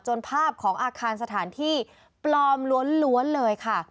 ภาพของอาคารสถานที่ปลอมล้วนเลยค่ะ